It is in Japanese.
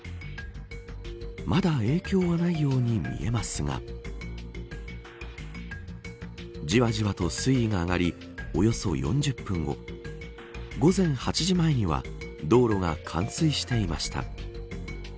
まだ影響はないように見えますがじわじわと水位が上がりおよそ４０分後午前８時前には道路が冠水していました。